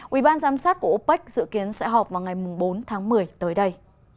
ủy ban giám sát của opec dự kiến sẽ họp vào ngày bốn tháng một mươi tới đây